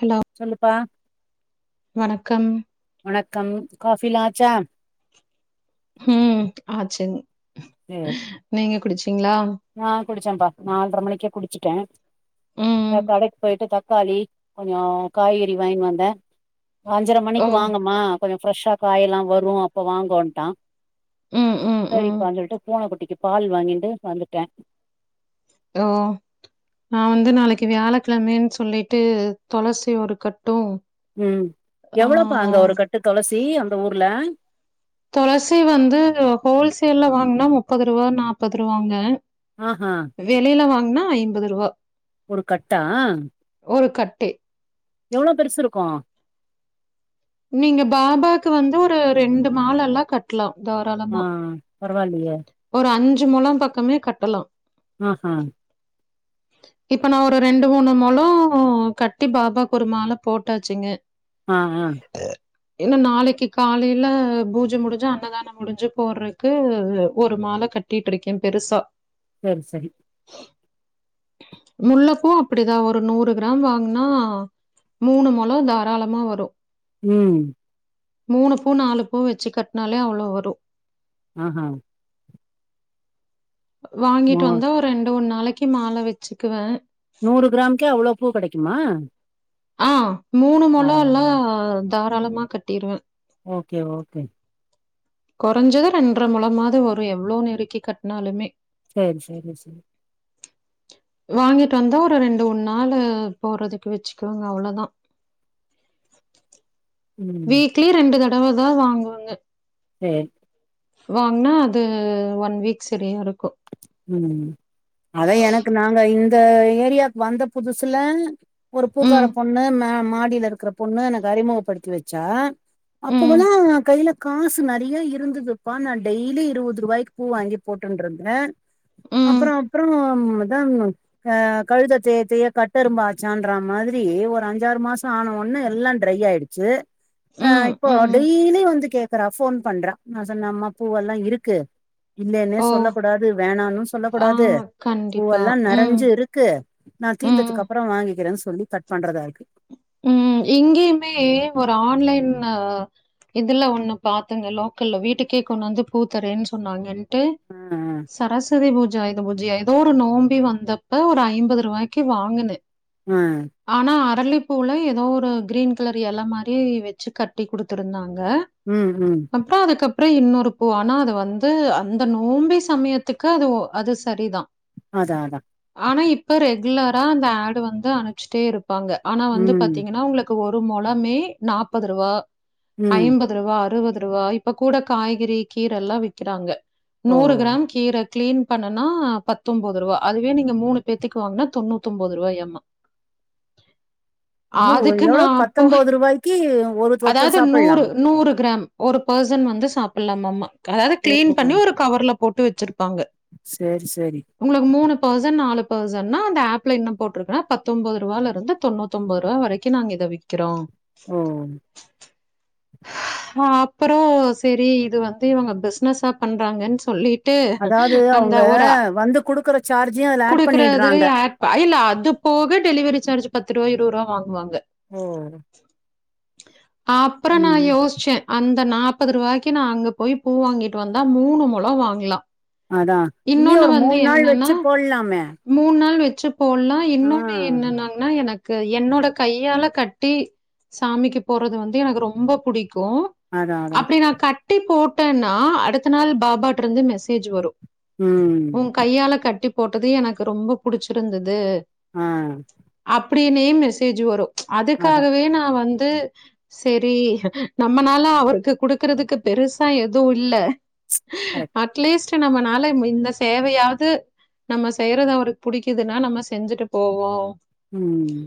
Hello சொல்லுப்பா வணக்கம் வணக்கம் காஃபிலா ஆச்சா ம் ஆச்சுங் சேர் நீங்க குடிச்சீங்ளா நா குடிச்சேன்ப்பா நால்ர மணிக்கே குடிச்சட்டே ம். அ கடைக்கு போயிட்டு தக்காளி கொஞ்சோ காய்கறி வாங்கினு வந்தே ஒ அஞ்சர ஓ! மணிக்கு வாங்கமா கொஞ்சோ ஃப்ரெஷ்ஷா காயெல்லா வரு அப்போ வாங்கோன்ட்டா ம், ம், ம். சரிப்பான் சொல்ட்டு பூனை குட்டிக்கு பால் வாங்கின்டு வந்துட்டே ஆ நா வந்து நாளைக்கு வியாழக்கெழமன் சொல்லிட்டு தொளசி ஒரு கட்டு ம் எவ்ளோப்பா அங்க ஒரு கட்டு தொளசி அந்த ஊர்ல துளசி வந்து ஹோல்சேல்ல வாங்னா முப்பதுருவா நாற்பதுருவாங்க ஆ ஹா வெளில வாங்னா ஐம்பதுருவா ஒரு கட்டா ஒரு கட்டு எவ்ளோ பெருசு இருக்கு நீங்க பாபாக்கு வந்து ஒரு ரெண்டு மாலலா கட் ட்லா தாராள் ஆ பரவால்லியே ஒரு அஞ்சு மொலம் பக்கமே கட்டலா ஆ ஹ இப்ப நா ஒரு ரெண்டு மூணு மொலோ கட்டி பாபாக்கு ஒரு மால போட்டாச்சுங்க ஆ ஆ [unintelligible] ஏனா நாளைக்கு காலைல பூஜ முடிஞ்சு அன்னதானோ முடிஞ்சு போட்றக்கு அது ஒரு மால கட்டிட்ருக்கே பெருசா சேரி செரி முல்ல பூ அப்டிதா ஒரு நூறு கிராம் வாங்னா மூணு மொலோ தாராளமா வரு ம் மூணு பூ நாலு பூ வச்சு கட்னாலே அவ்ளோ வரு ஆ ஹா வாங்கிட்டு மு- வந்தா ஒரு ரெண்டு மூண் நாளைக்கு மால வச்சுக்குவே நூறு கிராம்கே அவ்ளோ பூ கெடைக்குமா ஆ மூணு மொழலா பரவால்ல. தாராளமா கட்டிருவே ஓகே ஓகே கொறைஞ்சது ரெண்ட்ற மொலமாது வரு எவ்ளோ நெருக்கி கட்னாலுமே சேரி சேரி சேரி வாங்கிட்டு வந்தா ஒரு ரெண்டு மூண் நாளு போறதுக்கு வச்சுக்குவேங்க அவ்ளதா ம் வீக்லி ரெண்டு தடவ தா வாங்குவங்க சேரி வாங்னா அது ஒன் வீக் செரியாருக்கு ம் அதா எனக்கு நாங்க இந்த ஏரியாக்கு வந்த புதுசுல ஒரு பூக்கார ம் பொண்ணு மே மாடில இருக்கற பொண்ணு எனக்கு அறிமுகப்படுத்தி வச்சா ம் அப்போவெல்லா கைல காசு நெறைய இருந்துதுப்பா நா டெய்லி இருவதுருவாய்க்கு பூ வாங்கி போட்டுன்ட்ருந் ந்தே ம் அப்றோ அப்றோ அதா ஆ கழுத தேய தேய கட்டெரும்பாச்சான்ற மாதிரி ஒரு அஞ்சாறு மாசோ ஆன ஒன்னே எல்லா ட்ரை ஆயி ச்சு ஆ ம் இப்போ ம் டெய்லி வந்து கேக்குறா ஃபோன் பண்றா நா சொன்னே அம்மா பூவெல்லா இருக்கு இல்லைன்னே ஓ சொல்ல கூடாது வேணானு சொல்லக் ஆ கூடாது கண்டிப்பா பூவெல்லா ம் நெறஞ்சு இருக்கு நா ம் தீந்ததுக்கு அப்றோ இன்னு வாங்கிக்கிறேன் சொல்லி கட் பண்றதாருக்கு ம் இங்கியுமே ஒரு ஆன்லைன் ஆ இதுல ஒன்னு பாத்தங்க லோக்கல்ல வீட்டுக்கே கொண்டு வந்து பூ தரேன் சொன்னாங்க ட்டு ஆ சரஸ்வதி பூஜ ஆய்த பூஜயா எதோ ஒரு நோம்பி வந்தப்ப ஒரு ஐம்பது ரூபாய்க்கு வாங்குனே உம் ஆனா அரளிப்பூல எதோ ஒரு கிரீன் கலர் எல மாரி வச்சு கட்டிக் குடுத்துருந்தாங்க உம் உம் அப்புறோ அதுக்கப்புறம் இன்னொரு பூ ஆனா அது வந்து அந்த நோம்பி சமயத்துக்கு அது ஒ அது சரிதா அதா அதா ஆனா இப்ப ரெகுலரா அந்த ஆட் வந்து அனுப்பிச்சுட்டே இருப்பாங்க ஆனா வந்து ம் பாத்தீங்கன்னா உங்களு க்கு ஒரு மொழமே நாப்பது ரூவா ம் ஐம்பது ரூவா அறுபது ரூவா இப்ப கூட காய்கறி கீரல்லா விக்கிறாங்க ஓ நூறு கிராம் கீரை கிளீன் பண்ணுனா பத்தொன்பது ரூவா அதுவே நீங்க மூணு பேத்துக்கு வாங்குனா தொண்ணூத்தொன்பது ரூவாயாமா என்ன ஒரு அதுக்கு நா எவ்ளோ அப்போ பத்தொன்பது ரூபாய்க்கு ஒரு ஒருத்தர் அதாவது நூறு சாப்பிடலாம் நூறு கிராம் ஒரு பர்சன் வந்து சாப்பிடலாமாமா அதாவது ஓ கிளீன் பண்ணி ஒரு கவர்ல போட்டு வச்சிருப்பாங்க சேரி சேரி உங்களுக்கு மூணு பேர்சன் நாலு பேர்சன்னா அந்த ஆப்ல என்ன போட்ருக்குனா பத்தொன்பது ரூவால இருந்து தொண்ணூத் த்தொன்பது ரூவா வரைக்கும் நாங்க இத விக்கிறோம் ஓ ஆ அப்புறோ சரி இது வந்து இவுங்க பிசினஸா பண்றாங்கன்னு சொல்லி ட்டு அதாவது அந்த அவங்க ஒரா வந்து குடுக்குற சார்ஜையு அதுல ஆட் குடுக்கறதுல பண்ணிடுறாங்க யார்ட்ட கையில அது போக டெலிவரி சார்ஜ் பத்து ரூவா இருபது ரூவா வாங்குவாங்க ஓ அப்புறோ நா ம் யோசிச்சேன் அந்த நாப்பது ரூவாய்க்கு நா அங்க போய் பூ வாங்கிட்டு வந்தா மூணு மொழம் வாங்கலாம் அதா இல்லயே ஒரு மூணு நாள் வச்சு போட்லாமே மூணு நாள் வச்சு போட்லாம் இன்னொன்னு என்னென்னாங்கன்னா எனக் கு என்னோட கையால கட்டி சாமிக்கு போடுறது வந்து எனக்கு ரொம்ப புடிக்கும் அதா அதா அப்படி நா கட்டி போட்டேன்னா அடுத்த நாள் பாபாட்டருந்து மெசேஜ் வரு ம் உங்கையால கட்டி போட்டது எனக்கு ரொம்ப புடிச்சிருந்துது ஆ அப்டினே மெசேஜ் வரு ச் அதா அதுக்காகவே நா வந்து சே ரி நம்மனால அவருக்கு குடுக்குறதுக்கு பெருசா எதுவு இல்ல கரெக்ட் அட்லீஸ்ட் நம்மனால ம் இந்த சேவையாது நம்ம செய்யறது அவருக்கு புடிக்குதுன்னா நம்ம செஞ்சுட்டு போவோ ம்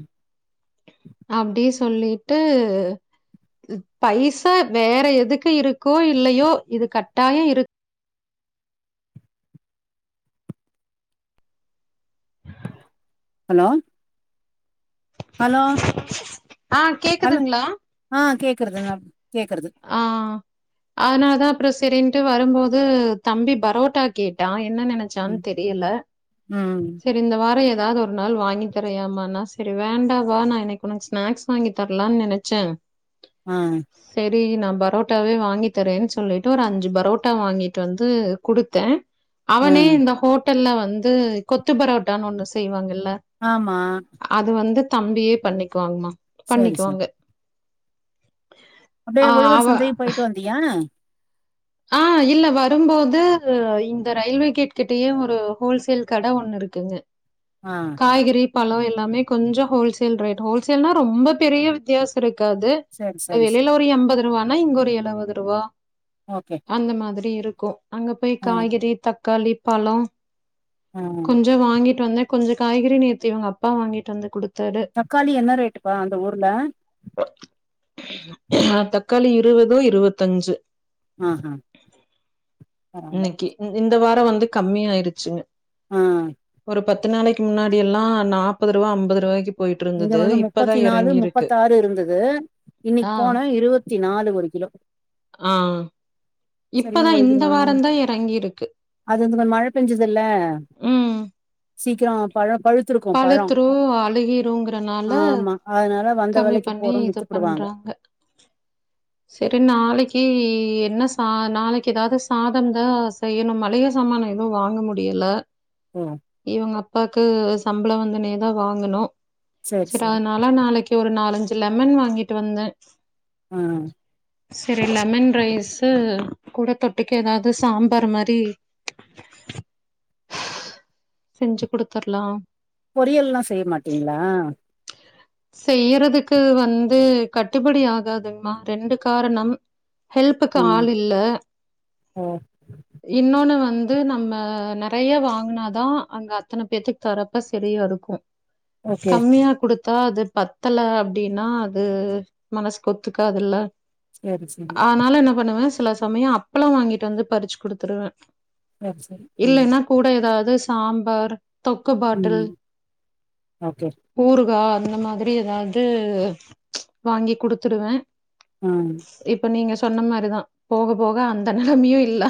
அப்டி சொல்லிட்டு பைசா வேற எதுக்கு இருக்கோ இல்லையோ இது கட்டாயம் இருக் ஹலோ ஹலோ ஆ ஹலோ கேக்குதுங்களா ஆ கேக்கறதுனா கேக்கறது அதனால தா அப்றோ சரின்ட்டு வரும்போது தம்பி பரோட்டா கேட்டா என்ன நென ச்சான் ம் தெரியல ம் சேரி இந்த வார எதாது ஒரு நாள் வாங்கி தரியாமான்னா சரி வேண்டா வா நா இன்னைக்கு உனக் ஸ்நாக்ஸ் வாாங்கி தரலான் நினச்ச ஆ சேரி நா பரோட்டாவே வாங்கி தரேன் சொல்லிட்டு ஒரு அஞ்சு பரோட்டா வாங்கிட்டு வந்து குடுத்தே ஆ அவனே இந்த ஹோட்டல்ல வந்து கொத்து பரோட்டான் ஒன்னு செய்வாங்கல்ல ஆமா அது வந்து தம்பியே பண்ணிக்குவாங்மா சரி சரி பண்ணிக்குவாங்க அப்டியே ஆ உழவர் அவ சந்தையு போய்ட்டு வந்தியா ஆ இல்ல வரும்போது இந்த ரயில்வே கேட் கிட்டயே ஒரு ஹோல்சேல் கட ஒன்னு இருக்குங்க ஆ காய்கறி பழோ எல்லாமே கொஞ்சோ ஹோல்சேல் ரேட் ஹோல்சேல்னா ரொம்ப பெரிய வித்தியாசோ இருக்காது சரி சரி வெளில சரி ஒரு எம்பது ரூவானா இங்க ஒரு எழுவது ரூவா ஓகே அந்த மாதிரி இருக்கு அங்க பேய் ஆ காய்கறி தக்காளி பழோ ஆ கொஞ்சோ வாங்கிட்டு வந்த கொஞ்ச காய்கறி நேத்தி இவங்க அப்பா வாங்கிட்டு வந்து குடுத் தக்காளி என்ன ரேட்டுப்பா அந்த ஊர்ல ஆ தக்காளி இருவது இருவத்தஞ்சு ஆ ஆ இன்னிக்கி இந் இந்த வாரோ வந்து கம்மி ஆய்ருச்சுங்க ஆ பத்து நாளைக்கு முன்னாடி எல்லா நாப்பது ரூவா அம்பது ரூவாய்க்கு இங்க வந்து முப்பத்தி நாலு முப்பத்தாறு இருந்தது ஆ இன்னிக் போன இருவத்தி நாலு ஒரு கிலோ ஆ சரியா இப்பதா ஒரு இந்த கிலோ வாரந்தா எறங்கிருக்கு அது வந்து கொஞ்ச மழ பெஞ்சதுல்ல ம் சீக்கிரோ பழ பழுத்திருக்கு பழோ பழுத்ரூ அழுகிருங்க தனால ஆமா அதனால வந்த கம்மி வெலைக்கு பண்ணி போறோ இது வித்துப்புடுவாங்க பண்றாங்க செரி நாளைக்கி என்ன பா நாளைக்கி எதாது சாதந்தா செய்யனு மளிக சாமான்ன எதுவு வாங்க முடியல ம் இவங்க அப்பாக்கு சம்பளோ வந்தொனே தா வாங்கனு சேரி சரி சேரி அதனா ல நாளைக்கி ஒரு நாலஞ்சி லெமன் வாங்கிட்டு வந்த ம் சரி லெமன் ரைஸ் கு கூட தொட்டுக்க எதாது சாம்பார் மாரி செஞ்சு குடுத்துர்லா பொரியல்லா செய்ய மாட்டீங்ளா செய்யிறதுக்கு வந்து கட்டுபடி ஆகாதுங்மா ரெண்டு காரணம் ஹெல்ப்புக்கு ம் ஆள் இல்ல ஓ இன்னொன்னு வந்து நம்ம நெறைய வாங்குனாதா அங்க அத்தன பேத்துக்கு தரப்ப சரியா இருக்கு ஓகே கம்மியா தா அது பத்தல அப்டின்னா அது மனசுக்கு ஒத்துக்காதுல்ல சேரி சேரி ஆனால என்ன பண்ணுவ சில சமயோ அப்பளோ வாங்கிட்டு வந்து பறிச்சி குடுத்துருவ அப் சரி ம் கூட ஏதாவ்து சாம்பார் தொக்கு பாட்டுல் ம் ஓகே ஊறுகா இந்ந மாதிரி எதாவ்து வாங்கி குடுத்துடுவே ம் இப்ப நீங்க சொன்ன மாரிதா போக போக அந்த நெலமையு இல்லா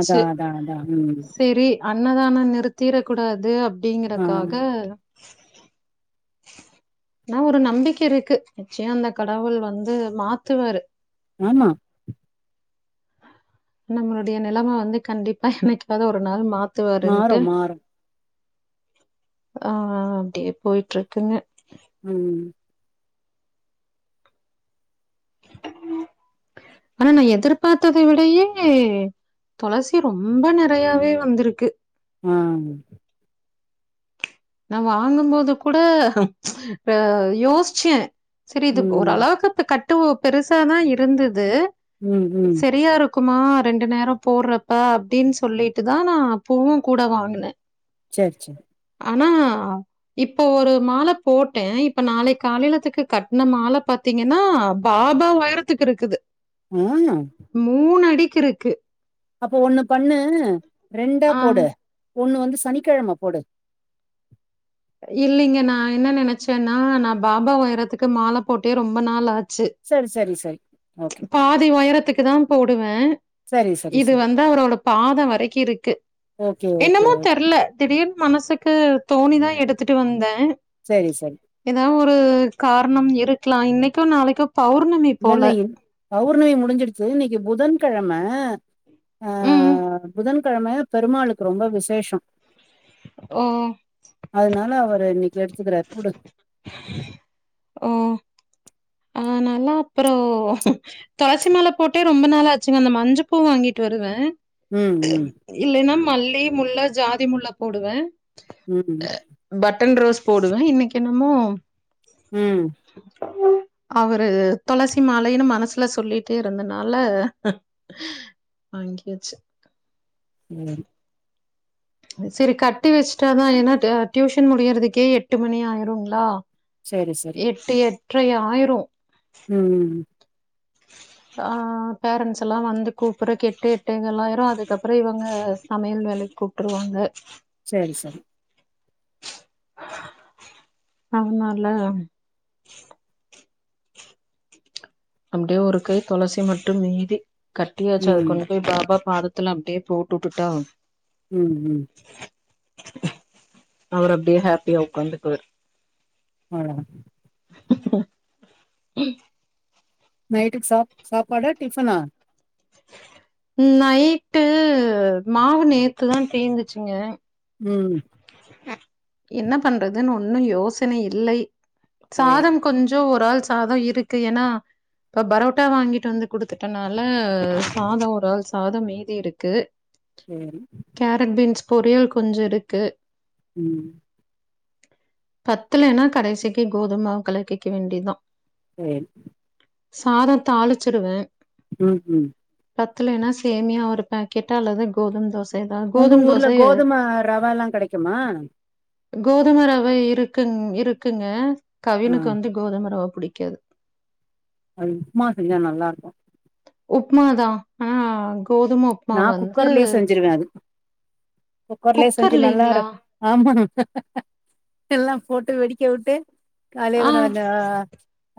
அதா அதா அதா ம் செரி அன்னதானோ நிறுத்திர கூடாது ஆ அப்டிங்கறக்காக னா ஒரு நம்பிக்க இருக்கு நிச்சயு அந்த கடவுள் வந்து மாத்துவாரு ஆமா நம்மளுடைய நெலம வந்து கண்டிப்பா என்னைக்காது ஒரு நாள் மாத் மாறு துவாருன்ட்டு மாறு ஆ அப்டியே போய்ட்ருக்குங்க ம் அனா நா எதிர்பாத்தத விடையே தொளசி ரொம்ப நெறையாவே வந்துருக்கு ஆன் நா வாங்கும்போது கூட ஆ யோஸ்ச்சே சரி இதுக் ஒரு ம் அளவுக்குத்து கட்டுவோ பெருசாதா இருந்துது ம் ம் சரியாரு க்குமா ரெண்டு நேரோ போறப்ப அப்டின் சொல்லிட்டுதா நா பூவு கூட வாங்குனே ச்சர் ச்சரி ஆனா இப்போ ஒரு மால போட்டே இப்ப நாளை காலைலத்துக்கு கட்ன மால பத் த்தீங்கன்னா பாபா உயரத்துக்கு இருக்குது ஆ மூண் அடிக் கிருக்கு அப்பு ஒண்ணு பண்ணு ரெண்டா ஆ போடு ஒண்ணு வந்து சனிக்கிழம போடு இல்லிங்க நா என்ன நெனச்சென்னா நா பாபா உயரத்துக்கு மால போட்டே ரொம்ப நாள் ஆச்சு சரி சரி சரி ஓகே பாதி உயரத்துக்கு தா போடுவே சரி சரி இது சரி வந்து அவரோட பாத வரைக் இருக்கு ஓகே ஓகே என்னமோ தெர்ல திடீர்னு மனசுக்கு தோணிதா எடுத்துட்டு வந்த சரி சரி ஏதா ஒரு காரணம் இருக்லா இன்னைக்கோ நாளைக்கோ பௌர்ணமி போல. இல்லல்ல என் பௌர்ணமி முடிஞ்சிடுச்சு இன்னிக்கு புதன் கழம ஆ ம். புதன்கெழம பெருமாளுக்கு ரொம்ப விசேஷோ ஓ அத்னால அவர் இன்னிக் எடுத்துக்குரார் உடு ஓ அனால அப்பரோ துளசி மால போட்டே ரொம்ப நாளாச்சுங்க அந்த மஞ்ச பூ வாங்கிட் வருவே ம் ம் இல்லைனா மல்லி முல்ல ஜாதி முல்ல போடுவே ம்உ பட்டன் ரோஸ் போடுவேன் இன்னைக்கென்னமோ ம் உஹம்! அவரு துளசி மாலையின்னு மனசுல சொல்லிட்டே இருந்தனால வாங்கியாச்சு ம் சரி கட்டி வச்ட்டாதா ஏனா ட டியூஷன் முடியறதுக்கே எட்டு மணி ஆய்ருங்ளா சரி சரி சரி எட்டு எட்ரை ஆயிரும் ம் ஆ பேரண்ட்ஸ் எல்லா வந்து கூப்பட்றக்கு, எட்டு எட்டேகால் ஆயிரும். அதுக்கப்பறோ இவங்க சமையல் வேலைக்கு கூப் டுருவாங்க! சரி சரி அவனால அப்டே ஒரு கை தொளசி மட்டு மீதி கட்டியாச்சு. ம் அதுக்கொ போய் பாபா பாதத்துல அப்டே போட்டு உட்டுட்டா! ம் ம் அவர் அப்டியே ஹாப்பியா உக்காந்துகுவாரு! அ ஹ்ம்ம்! ஹ்ம்! நைட்டுக்கு சா சாப்பாடா? டிஃபனா? நைட்டு மாவு நேத்துதா தீந்துச்சுங்க! ம் என்ன பண்றதுன்னு ஒன்னு யோசனை இல்லை சரி சாதம் கொஞ்சோ ஒரு ஆள் சாதோ இருக்கு, ஏன்னா? இப்ப பரோட்டா வாங்கிட்டு வந்து குடுத்துட்டனால, சாதோ ஒரு ஆள் சாதோ மீதி இருக்கு. ம் கேரட் பீன்ஸ் பொரியல் கொஞ்சோ இருக்கு! ம் பத்தலன்னா! கடைசிக்கு கோதும மாவு கலக்கிக்க வேண்டிதா சேரி சாதோ தாளிச்சிருவ ம் ம்! பத்தலன்னா சேமியா ஒரு பேக்கெட் அல்லது கோதும தோச உங்க ஊர்ல கோதுமை ரவல்லா கெடைக்குமா? கோதும ரவ இருக்குங் இருக்குங்க. ஆ கவினுக்கு வந்து கோதும ரவ புடிக்காது! அது உப்மா செஞ்ஜா நல்லாருக்கும் உப்மா தா ஆனா கோதும உப்மா வந்து, குக்கர்லே செஞ்சு நல்லா இரு குக்கர்லைங்களா ஆமா எல்லா போட்டு வெடிக்க உட்டு ஆ காலைல தா வந்தா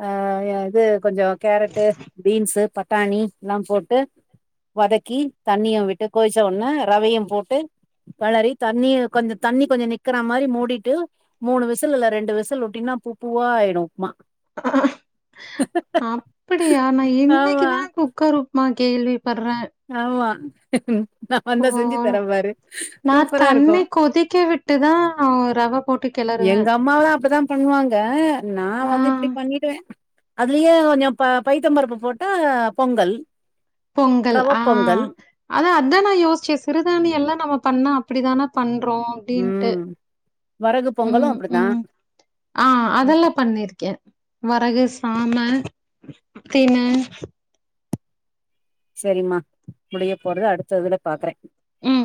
ஆஹ் இது கொஞ்சோ கேரட்டு, பீன்ஸு, பட் டாணி எல்லா போட்டு வதக்கி! தண்ணியு விட்டு கொய்ச்ச ஒட்ன ரவையு போட்டு களறி தண்ணிய கொஞ்ச தண்ணி கொஞ்ச நிக்கற மாரி மூடிட்டு மூணு விசில் இல்ல ரெண்டு விசில் உட்டிங்ன்னா பூ பூவா ஆயிடு உப்மா அப்டியா! நா ஆமா இன்னைக்குதா குக்கரு மா கேள்விபட்ற! ஆமா! நா வந்தா செஞ்சு தரபாரு நா சூப்பரா தண்ணி இருக்கும்! கொதிக்க விட்டுதா ரவ போட்டு கெளறுவே எங்க அம்மாலா தா அப்டித்தா பண்ணுவாங்க! நா ஆ வந்து இப்டி பண்ணிடுவே அதுலேயே கொஞ்ச ப பைத்தம்பருப்பு போட்டா பொங்கல் பொங்கல் ரவ ஆ பொங்கல் அத அதா நா யோஸ்ச்ச சிறுதானியல்லா நம்ம பண்ணா அப்டிதான பண்றோ அப்டின்டு ம் வரகு பொங்கலு ம் அப்டிதா ம் ஆ அதெல்லா பண்ணி இருக்கே வரகு சாம திண செரிம்மா முடிய போறது அடுத்த இதுல பாக்ற ம்